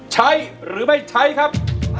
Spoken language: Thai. ใช้หรือไม่ใช้ครับ